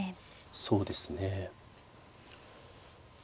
そうですね。